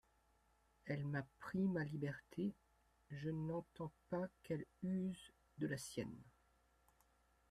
Elle m'a pris ma liberté, je n'entends pas qu'elle use de la sienne.